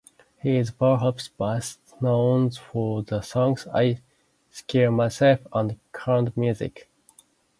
He is perhaps best known for the songs "I Scare Myself" and "Canned Music.